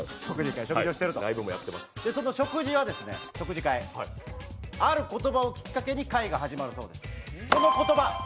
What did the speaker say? その食事会、ある言葉をきっかけに会が始まるそうです。